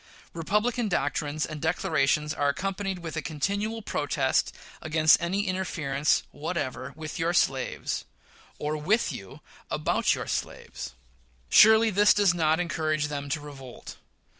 Republican doctrines and declarations are accompanied with a continued protest against any interference whatever with your slaves, or with you about your slaves. Surely, this does not encourage them to revolt.